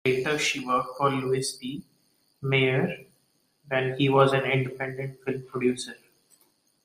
Later she worked for Louis B. Mayer when he was an independent film producer.